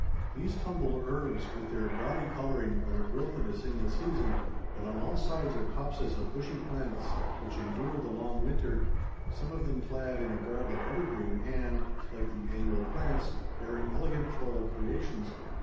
These humble herbs, with their gaudy coloring, are the growth of a single season, but on all sides are copses of bushy plants which endure the long winter, some of them clad in a garb of evergreen and, like the annual plants, bearing elegant floral creations.